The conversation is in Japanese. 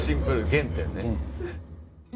原点ね。